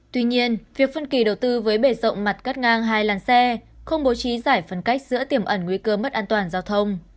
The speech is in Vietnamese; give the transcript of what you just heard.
tuy nhiên việc phân kỳ đầu tư với bể rộng mặt cắt ngang hai làn xe không bố trí giải phân cách giữa tiềm ẩn nguy cơ mất an toàn giao thông